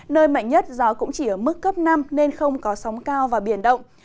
nơi mạnh nhất gió cũng chỉ ở mức cấp năm nên không có sóng cao và biển động